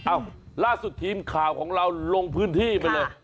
ล่าสุดทีมข่าวของเราลงพื้นที่ไปเลย